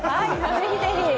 ぜひぜひ！